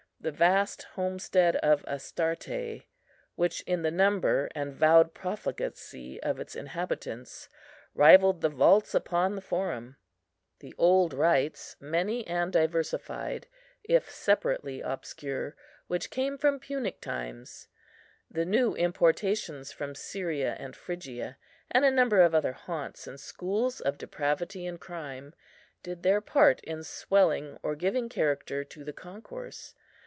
The vast homestead of Astarte, which in the number and vowed profligacy of its inhabitants rivalled the vaults upon the Forum; the old rites, many and diversified, if separately obscure, which came from Punic times; the new importations from Syria and Phrygia, and a number of other haunts and schools of depravity and crime, did their part in swelling or giving character to the concourse.